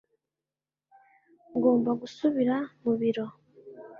Ngomba gusubira mu biro